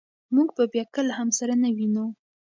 موږ به بیا کله هم سره نه وینو.